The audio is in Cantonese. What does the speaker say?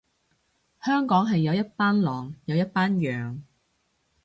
香港係有一班狼，有一班羊